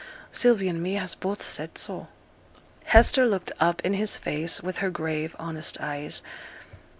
Sylvie and me has both said so.' Hester looked up in his face with her grave honest eyes.